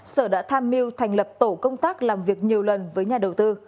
sở đã tham mưu thành lập tổ công tác làm việc nhiều lần với nhà đầu tư